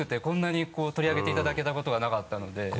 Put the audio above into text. こんなに取り上げていただけたことがなかったので。